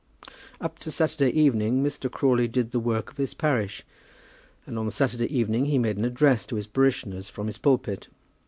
Up to Saturday evening Mr. Crawley did the work of his parish, and on the Saturday evening he made an address to his parishioners from his pulpit.